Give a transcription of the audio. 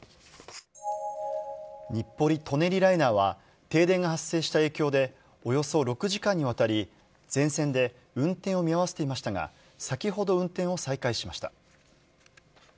日暮里・舎人ライナーは、停電が発生した影響でおよそ６時間にわたり、全線で運転を見合わせていましたが、先ほど運転を再開しました。